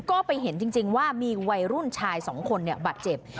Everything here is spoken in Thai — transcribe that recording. ก็ไปเห็นจริงว่ามีวัยรุ่นชายสองคนบาดเจ็บ